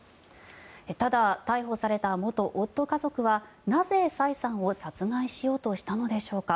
ただ、逮捕された元夫家族はなぜ、サイさんを殺害しようとしたのでしょうか。